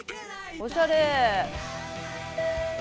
おしゃれ。